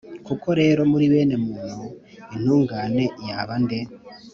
Koko rero, muri bene muntu intungane yaba nde?